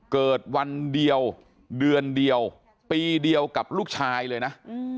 เกิดวันเดียวเดือนเดียวปีเดียวกับลูกชายเลยนะ